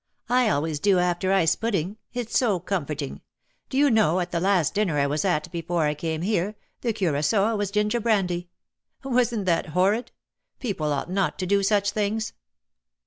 I always do after ice pudding. It^s so comforting. Do you know at the last dinner I was at before I came here the cura9oa was ginger brandy. Wasn't that horrid ? People ought not to do such things."